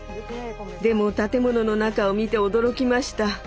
でも建物の中を見て驚きました。